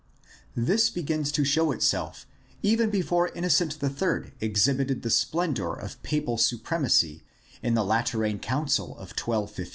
— ^This begins to show itself even before Innocent III exhibited the splendor of papal supremacy in the Lateran Council of 12 15.